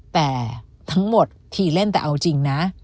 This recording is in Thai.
แต่ทั้งหมดทีเล่นแต่เอาจริงนะ